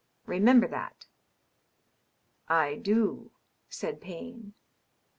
Re member that." "I do," said Payne.